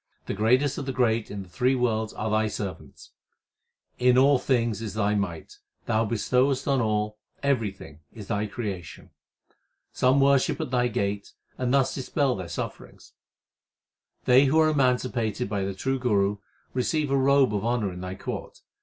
The greatest of the great in the three worlds are Thy servants. In all things is Thy might ; Thou bestowest on all ; everything is Thy creation. Some worship at Thy gate, and thus dispel their sufferings. They who are emancipated by the true Guru, receive a robe of honour in Thy court.